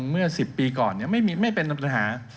เมื่อ๑๐ปีก่อนไม่เป็นปัญหา